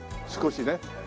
少しね。